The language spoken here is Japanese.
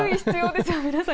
皆さん。